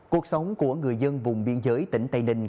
cuộc sống của người dân vùng biên giới tỉnh tây ninh